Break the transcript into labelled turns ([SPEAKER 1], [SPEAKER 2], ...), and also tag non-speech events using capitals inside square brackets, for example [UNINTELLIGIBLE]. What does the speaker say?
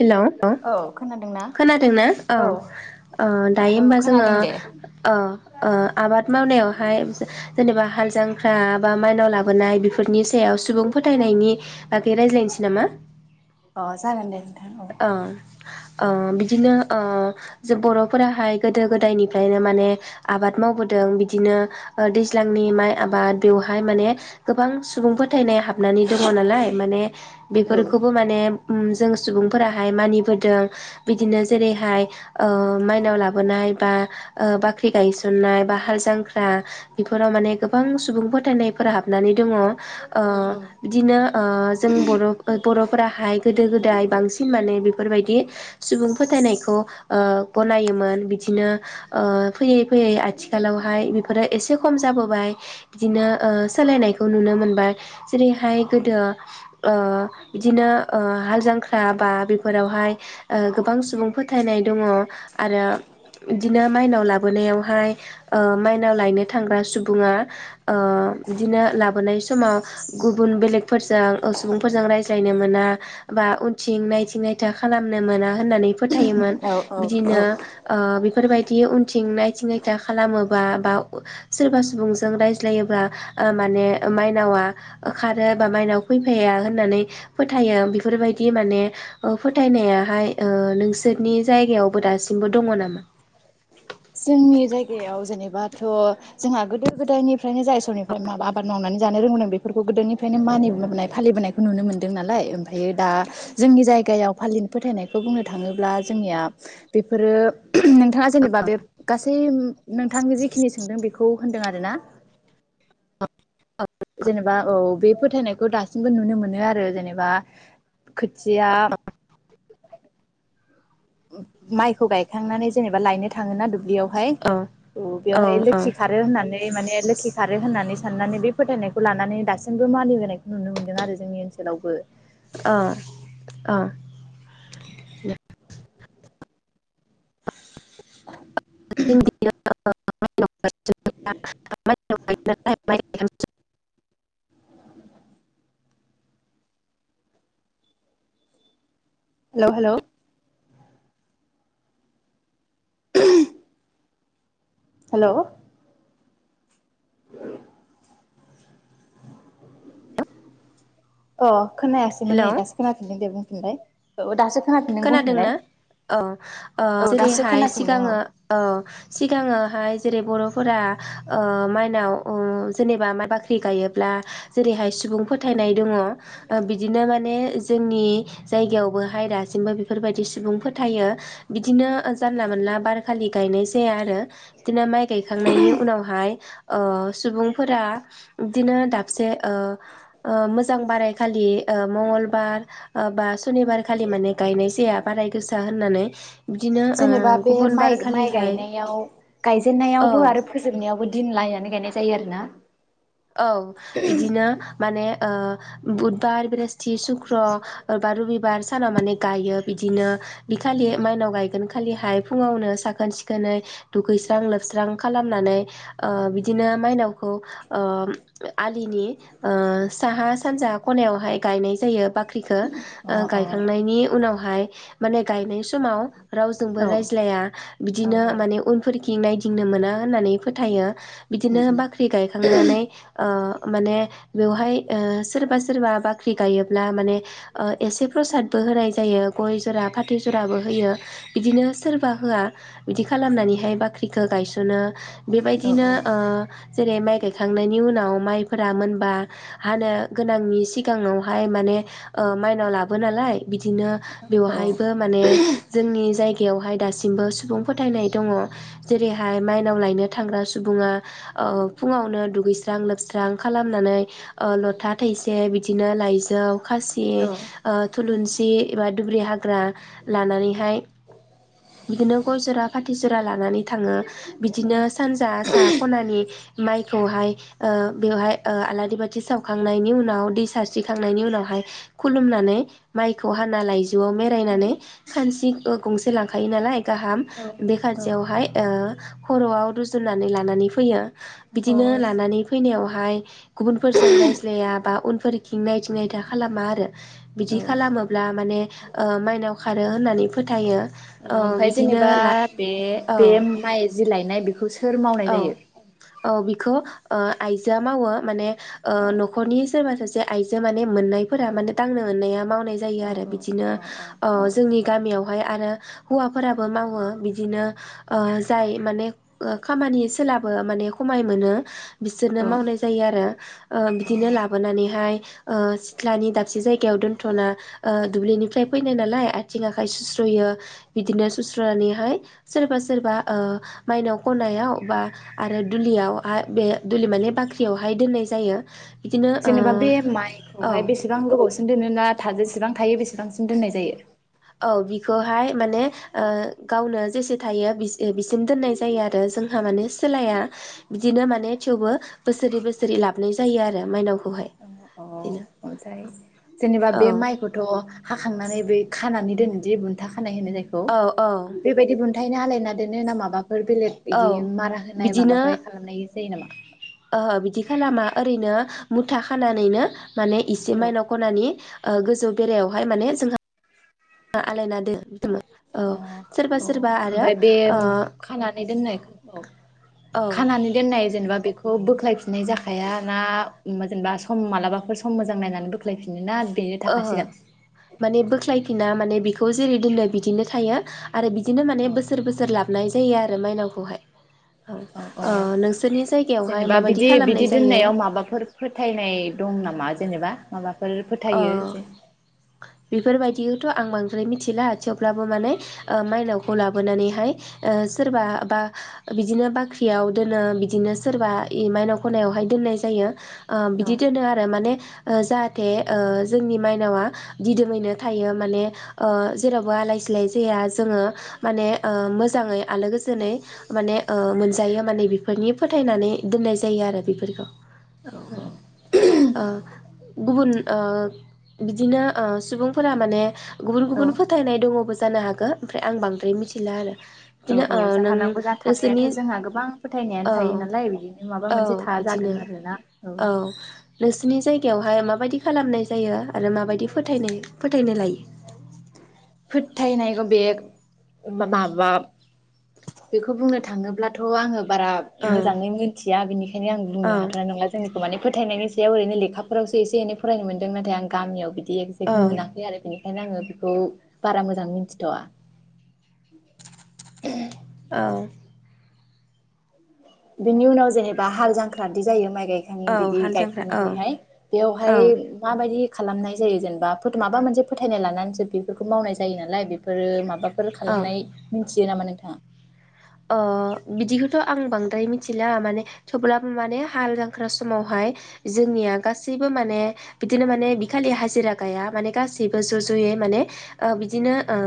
[SPEAKER 1] हेल'
[SPEAKER 2] औ खोनादोंना
[SPEAKER 1] खोनादोंना औ ओ दायो
[SPEAKER 2] औ
[SPEAKER 1] होमबा जोङो
[SPEAKER 2] खोनादों दे
[SPEAKER 1] ओ ओ आबाद मावनायावहाय जेनेबा हाल जांख्रा बा माइनाव लाबोनाय बेफोरनि सायाव सुबुं फोथायनि बागै रायज्लायसै नामा?
[SPEAKER 2] अ जागोन दे। नोंथां औ
[SPEAKER 1] ओ ओ बिदिनो ओ जे बर'फोराहाय गोदो गोदायनिफ्रायनो माने आबाद मावबोदों बिदिनो ओ दैज्लांनि माइ आबाद बेवहाय माने गोबां सुबुंफो थाइनाय हाबनानै दङो नालाय माने बेफोरखौबौ माने उम जों सुबुं फोराहाय मानिबोदों बिदिनो जेरैहाय ओ माइनाव लाबोनाय बा ओ बाख्रि गायसननाय बा हाल जांख्रा बेफोराव माने गोबां सुबुं फोथायनायफोर हाबनानै दङ। ओ बिदिनो ओ जों बर' बर'फोराहाय गोदो गोदाय बां सिन माने बेफोरबायदि सुबुं फोथायनायखौ ओ गनायोमोन बिदिनो ओ फैयै फैयै आथिखालावहाय बेफोरो एसे खम जाबोबाय बिदिनो ओ सोलायनायखौ नुनो मोनबाय जेरैहाय गोदो ओ बिदिनो ओ हाल जांख्रा बेफोरावहाय ओ गोबां सुबुं फोथायनाय दङ आरो बिदिनो माइनाव लाबोनायावहाय ओ माइनाव लायनो थांग्रा सुबुङा ओ बिदिनो लाबोनाय समाव गुबुन बेलेगफोरजों सुबुंफोरजों रायज्लायनो मोना बा उन थिं नायथिं नायथा खालामनो मोना होननानै। फोथायोमोन
[SPEAKER 2] औ औ औ
[SPEAKER 1] बिदिनो ओ बेफोरबायदि उनथिंनाय नायथिं नाथा खालामोबा बा सोरबा सुबुंजों रायज्लायोबा ओ माने माइनावा खारो बा माइनाव फैफानानै फोथायो बेफोरबाय दि माने ओ फोथायनाय हाय ओ नोंसोरनि जायगायावबो दासिमबो दङ नामा?
[SPEAKER 2] जोंनि जायगायाव जेनेबाथ' जोंहा गोदो गोदायनिफ्रायनो जायसमनिफ्राय माइ आबाद मावनानै जानो रोंबोदों बेफोरखौ गोदोनिफ्रायनो मानि फालिबोनायखौ नुनो मोनदों नालाय ओमफ्रायो दा जोंनि जायगायाव फालिनो फोथायनायखौ बुंनो थाङोब्ला जोंनिया बेफोरो ओम नोंथाङा जेनेबा बे गासै नोंथांनि जिखिनि सोंदों बेखौ खौ होनदों आरोना बा औ बे फोथायनायखौ दासिमबो नुनो मोनो आरो जेनेबा खोथिया माइखौ गायखांनानै जेनेबा लायनो थाङोना बेयावहाय
[SPEAKER 1] औ औ
[SPEAKER 2] बेवहाय
[SPEAKER 1] औ
[SPEAKER 2] लोखि खारो होननानै माने लोखि खारो होननानै। साननानै बे फोथायनायखौ लानानै दासिमबो मानिबोनायखौ नुनो मोन्दों आरो जोंनि ओनसोलावबो
[SPEAKER 1] अ औ। [UNINTELLIGIBLE]
[SPEAKER 2] हेल' हेल' हेल' औ। अ खोनायासैमोन नै
[SPEAKER 1] हेलौ
[SPEAKER 2] दासो खोनाफिनदों दे बुंफिनलाय औ दासो खोनाफिनदों बुंफिनलाय
[SPEAKER 1] खोनादोंना औ
[SPEAKER 2] औ दासो
[SPEAKER 1] जेरैहाय
[SPEAKER 2] खोनाफिनदों
[SPEAKER 1] सिगाङो औ सिगाङोहाय जेरै बर'फोरा ओ‌ माइनाव ओ‌ जेनेबा बाख्रि गायोब्ला जेरैहाय सुबुं फोथायनाय दङ बिदिनो माने जोंनि जायगायावबो हायरा दासिमबो बेफोरबायदि सुबुंफोर थायो बिदिनो जानला मोनला बारखालि गायनाय जाया आरो बिदिनो माइ गायखांनायनि उनावहाय सुबुंफोरा बिदिनो दाबसे मोजां बारायखालि मंगलबार बा सुनिबार खालि माने गायनाय जाया बाराय गोसा होननानै बिदिनो ओ
[SPEAKER 2] जेनेबा बे
[SPEAKER 1] गुबुन
[SPEAKER 2] माइ
[SPEAKER 1] बार
[SPEAKER 2] माइ
[SPEAKER 1] खालिहाय
[SPEAKER 2] गायनायाव गायजेननायावबो
[SPEAKER 1] औ
[SPEAKER 2] आरो फोजोबनायावबो दिन लायनानै गायनाय जायो‌ आरोना
[SPEAKER 1] औ बिदिनो माने बुधबार ब्रेस्त थि सुक्र' एबा रबिबार सानाव माने गायो बिदिनो बि खालि माइनाव गायगोन खालिहाय फुङावनो साखोन सिखोनै दुगैस्रां लोबस्रां खालामनानै बिदिनो माइनावखौ ओ आलिनि साहा सानजा खनायावहाय गायनाय जायो बाख्रिखौ
[SPEAKER 2] औ
[SPEAKER 1] गायखांनायनि उनावहाय माने गायनाय समाव रावजोंबो
[SPEAKER 2] औ
[SPEAKER 1] रायज्लाया
[SPEAKER 2] औ
[SPEAKER 1] बिदिनो माने उनफोरखि गिदिं नायदिंनो मोना होननानै फोथायो बिदिनो बाख्रि गायो नानै ओ ओ माने ओ बेवहाय सोरबा सोरबा बाख्रि गायोब्ला माने एसे प्रसादबो होनाय जायो गय जरा फाथै जराबो होयो बिदिनो सोरबा होआ बिदि खालामनानैहाय बाख्रिखौ गायसनो बेबायदिनो
[SPEAKER 2] औ
[SPEAKER 1] ओ जेरै माइ गायखांनायनि उनाव माइफोरा मोनबा हानो गोनांनि सिगाङावहाय माने ओ माइनाव लाबो नालाय बिदिनो बेवहायबो
[SPEAKER 2] औ
[SPEAKER 1] माने जोंनि जायगायावहाय दासिम बो सुबुं फोथायनाय दङ जेरैहाय माइनाव लायनो थांग्रा सुबुङा ओ फुङावनो दुगैस्रां लोबस्रां खालामनानै ओ लथा थासे बिदिनो लाइजौ खासि ओ थुलुंसि एबा दुब्रि हाग्रा लानानैहाय बिदिनो गय जरा फाथि जरा लानानै थाङो बिदिनो
[SPEAKER 2] औ
[SPEAKER 1] सानजा सा ख'नानि माइखौहाय ओ बेवहाय आलारि बाथि सावखांनायनि उनाव दैसा दिखांनायनि उनावहाय खुलुमनानै माइ खौ हाना लाय जनानै
[SPEAKER 2] औ
[SPEAKER 1] रायनानै खानसिखो ओ गंसे लां खायो नालाय गाहाम
[SPEAKER 2] औ
[SPEAKER 1] बे
[SPEAKER 2] औ
[SPEAKER 1] खानसेयावहाय ओ खर'आव रुजुननानै लानानै फैयो
[SPEAKER 2] अ
[SPEAKER 1] बिदिनो
[SPEAKER 2] औ
[SPEAKER 1] लानानै फैनायाव हाय गुबुनफोरजों रायज्लाया बा उनफोर खिंनाय थिं नाय था खालामा आरो बिदि
[SPEAKER 2] औ
[SPEAKER 1] खालामोब्ला माने ओ माइनाव खारो होननानै फोथायो औ
[SPEAKER 2] ओमफ्राय
[SPEAKER 1] बिदिनो
[SPEAKER 2] जेनेबा
[SPEAKER 1] ला
[SPEAKER 2] बे
[SPEAKER 1] औ
[SPEAKER 2] बे माइ जि लायनाय बेखौ सोर मावनाय
[SPEAKER 1] औ
[SPEAKER 2] जायो?
[SPEAKER 1] औ बि बेखौ आइजोआ मावो माने
[SPEAKER 2] अ
[SPEAKER 1] न'खरनि सोरबा सासे आइजो माने मोननायफोरा माने दांनो मोननाया मावनाय जायो
[SPEAKER 2] अ औ
[SPEAKER 1] आरो बिदिनो
[SPEAKER 2] औ औ
[SPEAKER 1] जोंनि गामियावहाय आरो हौवाफोराबो मावो बिदिनो जाय माने खामानि सोलाबो माने सममाय मोनो बिसोरनो
[SPEAKER 2] औ
[SPEAKER 1] मावनाय जायो आरो
[SPEAKER 2] अ
[SPEAKER 1] बिदिनो लाबोनानैहाय सिथ्लानि दाबसे जायगायाव दोनथ'ना दुब्लिनिफ्राय फैनाय नालाय आथिं आखाइ सुस्र'यो बिदिनो सुस्र'नानैहाय सोरबा सोरबा माइनाव खनायाव बा आरो दुलियाव बे दुलि माने बाख्रियावहाय दोननाय जायो बिदिनो ओ
[SPEAKER 2] जेनेबा बे
[SPEAKER 1] औ
[SPEAKER 2] माइखौहाय बेसेबां गोबावसिगोन दोनो ना? जेसेबां थायो बेसेबांसिम दोननाय जायो
[SPEAKER 1] औ बिखौहाय माने गावनो जेसे थायो बिसिम दोननाय जायो आरो जोंहा माने सोलाया बिदिनो माने थेवबो बोसोरै बोसोरै लाबाय जायो आरो मायनावखौहाय
[SPEAKER 2] अ
[SPEAKER 1] बेनो
[SPEAKER 2] ओमफ्राय जेनेबा बे माइखौथ' हाखांनानै बै खानानै दोनो दि‌ बुनथा खानाय होनो जायखौ
[SPEAKER 1] औ औ
[SPEAKER 2] बेबायदि बुंनथा खायनो हालायना देनो ना माबा फोर बेलेग
[SPEAKER 1] औ
[SPEAKER 2] बिदि मारा होनाय
[SPEAKER 1] बिदिनो
[SPEAKER 2] माबाय खालामनाय जायो नामा?
[SPEAKER 1] ओहो बिदि खालामा ओरैनो मुथा खानानैनो माने इसे
[SPEAKER 2] औ
[SPEAKER 1] माइनाव खनानि ओ गोजौ बेरायावहाय माने जोंहा आलायना दोन औ
[SPEAKER 2] अ
[SPEAKER 1] सोरबा सोरबा आरो
[SPEAKER 2] ओमफ्राय बे खानानै दोननायखौ औ
[SPEAKER 1] औ
[SPEAKER 2] खानानानै दोननाय जेनेबा बेखौ बे खौ बोख्लायफिननाय जाखाया ना‌ जेनेबा सम मालाबाफोर सम मोजां नायनानै बोख्लायफिननो ना बेनो
[SPEAKER 1] ओहो
[SPEAKER 2] थाखासिगोन
[SPEAKER 1] माने बोख्लाय ना माने बिखौ जेरै दोनो बिदिनो थायो आरो बिदिनो माने
[SPEAKER 2] औ
[SPEAKER 1] बोसोर बोसोर लाब नाय जायो आरो मायनावखौहाय
[SPEAKER 2] औ औ जेनेबा
[SPEAKER 1] माबायदि
[SPEAKER 2] बिदि बिदि
[SPEAKER 1] खालामनाय जायो
[SPEAKER 2] दोननायाव माबाफोर फोथायनाय दं नामा जेनेबा माबा फोर फोथायो जे
[SPEAKER 1] बिफोरबायदिखौथ' आं बांद्राय मिथिला थेवब्लाबो माने ओ मायनावखौ लाबोनानैहाय ओ सोरबा बा बिदिनो बाख्रियाव दोनो बिदिनो सोरबा इ मायनाव खनायावहाय दोननाय जायो ओ
[SPEAKER 2] औ
[SPEAKER 1] बिदि दोनो आरो माने ओ जार थे ओ जोंनि माइनावा दिदोमैनो थायो माने ओ जेरावबो आलाय सिलाय जाया जोङो माने ओ मोजाङै आलो गोजोनै माने ओ मोनजायो माने बेफोरनि फोथायनानै दोननाय जायो आरो बिफोरखौ हो ओ गुबुन ओ बिदिनो ओ सुबुंफोरा माने गुबुन
[SPEAKER 2] औ
[SPEAKER 1] गुबुन फोथायनाय दङबो जानो हागो ओमफ्राय आं बांद्राय मिथि
[SPEAKER 2] औ औ जाहानावबो दा थानायाथ'
[SPEAKER 1] नोंसोरनि
[SPEAKER 2] जोंहा गोबां फोथायनायानो
[SPEAKER 1] औ
[SPEAKER 2] थायो नालाय बिदिनो माबा
[SPEAKER 1] औ
[SPEAKER 2] मोनसे था
[SPEAKER 1] बिदिनो
[SPEAKER 2] जागोन आरोना औ
[SPEAKER 1] नोंसोरनि जायगायावहाय माबायदि खालामनाय जायो आरो माबायदि फोनाय फोथायनो लायो
[SPEAKER 2] फोथायनायख बेग माबा बेखौ बुंनो थाङोब्लाथ' आङो बारा
[SPEAKER 1] औ
[SPEAKER 2] मोजाङै मोनथिया बिनिखायनो आं बुंनो
[SPEAKER 1] औ
[SPEAKER 2] हाथार नंला जोंनिखौ माने फोथायनायनि सायाव ओरैनो लेखाफोरावसो एसे एनै फरायनो मोनदों नाथाय आं गामियाव बि दि एकजेक
[SPEAKER 1] औ
[SPEAKER 2] मोनाखै आरो बिनि खायनो आङो बिखौ बारा मोजां मिनथिथ'आ
[SPEAKER 1] औ
[SPEAKER 2] बिनि उनाव जेनेबा हाल जांख्रादि जायो माइ गायखां
[SPEAKER 1] औ
[SPEAKER 2] बिदि
[SPEAKER 1] हाल जांख्रा औ
[SPEAKER 2] गायखांनानैहाय बेयावहाय
[SPEAKER 1] औ
[SPEAKER 2] माबायदि खालामनाय जायो जेनेबा फोथ माबा मोनसे फोथायनाय लानानैसो बेफोरखौ मावनाय जायो नालाय बेफोरो माबा फोर
[SPEAKER 1] औ
[SPEAKER 2] खालामनाय मिन्थियो नामा नों थाङा
[SPEAKER 1] ओ बिदिखौथ' आं बांद्राय मिथिला माने थेवब्लाबो माने हाल जांख्रा समावहाय जोंनिया गासैबो माने बिदिनो माने बिखालि हाजिरा गाया माने गासैबो ज' ज'यै माने बिदिनो